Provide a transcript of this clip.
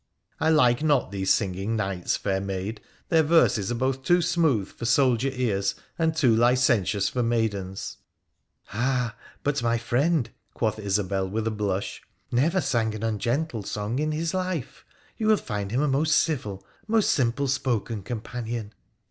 ' I like not these singing knights, fair maid : their verses are both too smooth for soldier ears, and too licentious for maidens' '' Ah ! but my friend,' quoth Isobel, with a blush, ' never sang an ungentle song in his life ; you will find him a most civil, most simple spoken companion.'